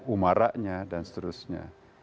umaranya dan seterusnya